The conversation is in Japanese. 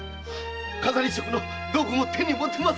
飾り職の道具も手に持てます。